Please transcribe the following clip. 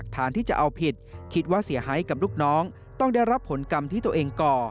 ต้องได้รับผลกรรมที่ตัวเองก่อ